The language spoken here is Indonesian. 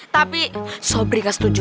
tapi sobri nggak setuju